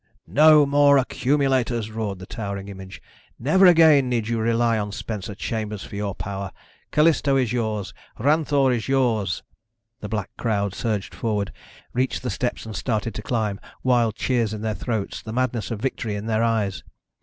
"No more accumulators," roared the towering image. "Never again need you rely on Spencer Chambers for your power. Callisto is yours. Ranthoor is yours." The black crowd surged forward, reached the steps and started to climb, wild cheers in their throat, the madness of victory in their eyes.